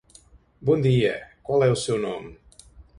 Bom dia. Qual é o seu nome?